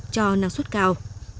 cho năng suất cao